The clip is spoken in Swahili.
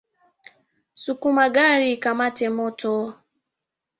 Sukuma gari ikamate moto.